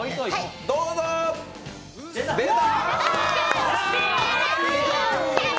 どうぞ、出た！